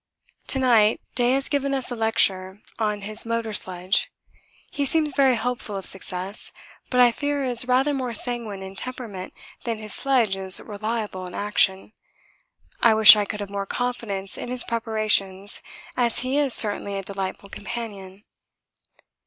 To night Day has given us a lecture on his motor sledge. He seems very hopeful of success, but I fear is rather more sanguine in temperament than his sledge is reliable in action. I wish I could have more confidence in his preparations, as he is certainly a delightful companion.